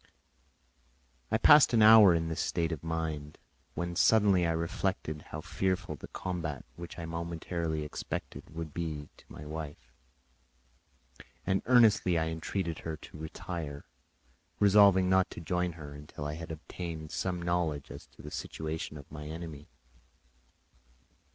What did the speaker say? I passed an hour in this state of mind, when suddenly I reflected how fearful the combat which I momentarily expected would be to my wife, and I earnestly entreated her to retire, resolving not to join her until I had obtained some knowledge as to the situation of my enemy.